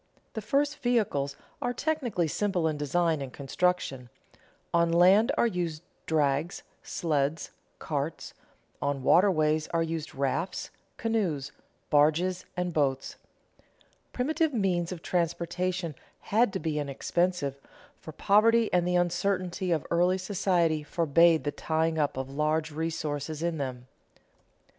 The first vehicles are technically simple in design and construction; on land are used drags, sleds, carts; on waterways are used rafts, canoes, barges, and boats. Primitive means of transportation had to be inexpensive, for poverty and the uncertainty of early society forbade the tying up of large resources in them.